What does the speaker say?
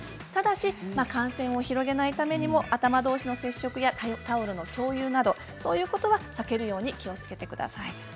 ただし感染を広げないためにも頭どうしの接触やタオルの共用などは避けるように気をつけてください。